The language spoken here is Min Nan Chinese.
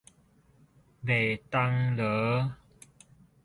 賣銅鑼